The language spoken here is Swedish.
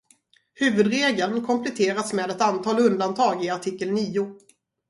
Huvudregeln kompletteras med ett antal undantag i artikel nio.